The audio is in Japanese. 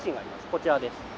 こちらです。